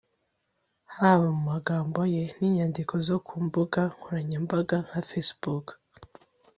Haba mu magambo ye n’inyandiko zo ku mbuga nkoranyambaga nka Facebook